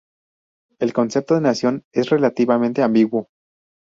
El concepto de nación es relativamente ambiguo.